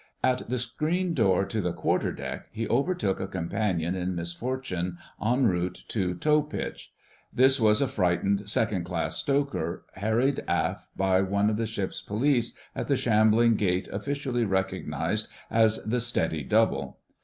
At the screen door to the quarter deck he overtook a companion in misfortune en route to "toe pitch." This was a frightened Second class Stoker, harried aft by one of the Ship's Police at the shambling gait officially recognised as the "steady double."